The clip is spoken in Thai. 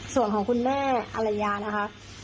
ส่วนของคุณแม่อรยานะคะ